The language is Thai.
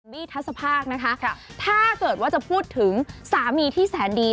ทัศภาคนะคะถ้าเกิดว่าจะพูดถึงสามีที่แสนดี